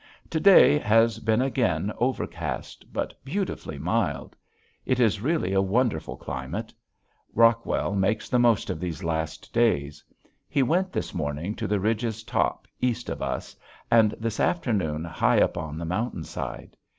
To day has been again overcast but beautifully mild. It is really a wonderful climate. Rockwell makes the most of these last days. He went this morning to the ridge's top east of us, and this afternoon high up on the mountain side.